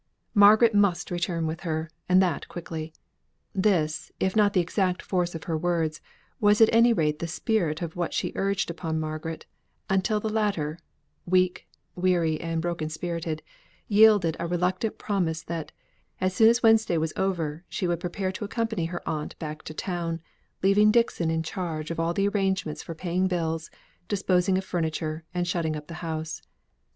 Margaret must return with her, and that quickly. This, if not the exact force of her words, was at any rate the spirit of what she urged on Margaret, till the latter, weak, weary, and broken spirited, yielded a reluctant promise that, as soon as Wednesday was over, she would prepare to accompany her aunt back to town, leaving Dixon in charge of all the arrangements for paying bills, disposing of furniture, and shutting up the house.